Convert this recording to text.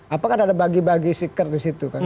apakah ada bagi bagi sikir di situ